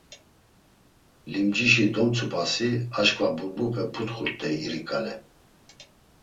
Limcişi domtzupasi aşǩva burbupe putxurt̆ey iri ǩale.